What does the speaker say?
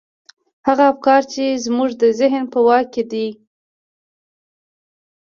هغه افکار چې زموږ د ذهن په واک کې دي.